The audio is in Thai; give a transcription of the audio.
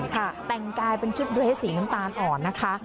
แต่งกายเป็นชุดเรสสีน้ำตาลอ่อนนะคะ